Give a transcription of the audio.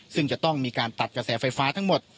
ซึ่งจะต้องมีการตัดกระแสไฟฟ้าทั้งหมด